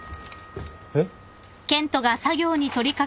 えっ？